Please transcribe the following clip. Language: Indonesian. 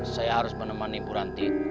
saya harus menemani bu ranti